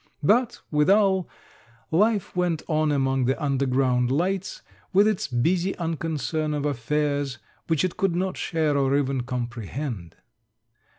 But, withal, life went on among the "underground lights," with its busy unconcern of affairs which it could not share or even comprehend.